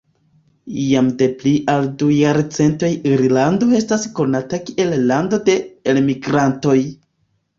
Jam de pli ol du jarcentoj Irlando estas konata kiel lando de elmigrantoj.